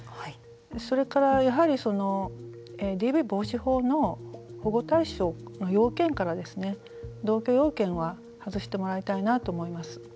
それから、やはりＤＶ防止法の保護対象の要件から、同居要件は外してもらいたいなと思います。